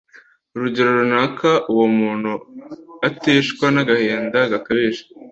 Rugero runaka uwo muntu aticwa n agahinda gakabije